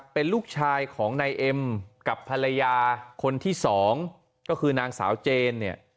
เป็นลูกชายของในเอ็มกับภรรยาคนที่๒ก็คือนางสาวเจน